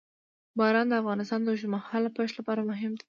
باران د افغانستان د اوږدمهاله پایښت لپاره مهم دی.